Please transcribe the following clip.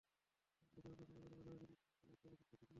বাসার অন্যান্য বাজারের পাশাপাশি বেশির ভাগ ফলই তাই এখান থেকেই কেনা হয়।